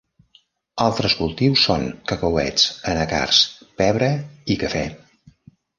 Altres cultius són cacauets, anacards, pebre i cafè.